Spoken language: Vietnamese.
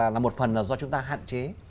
là một phần là do chúng ta hạn chế